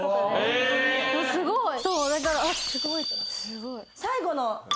すごい！最後の。